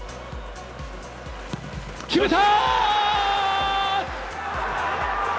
決めた！